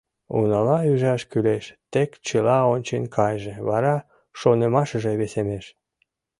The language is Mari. Унала ӱжаш кӱлеш, тек чыла ончен кайже, вара шонымашыже весемеш.